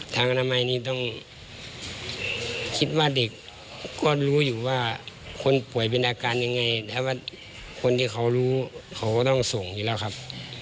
อนามัยนี้ต้องคิดว่าเด็กก็รู้อยู่ว่าคนป่วยเป็นอาการยังไงแต่ว่าคนที่เขารู้เขาก็ต้องส่งอยู่แล้วครับ